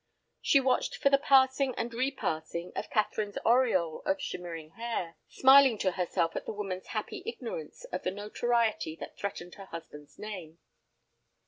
She watched for the passing and repassing of Catherine's aureole of shimmering hair, smiling to herself at the woman's happy ignorance of the notoriety that threatened her husband's name.